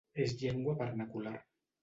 És llengua vernacular.